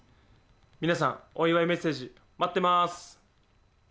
皆さん、お祝いメッセージ待ってまーす。